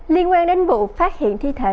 liên quan đến vụ phát hiện thi thể